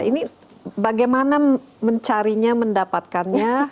ini bagaimana mencarinya mendapatkannya